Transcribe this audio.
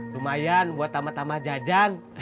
lumayan buat tamah tamah jajan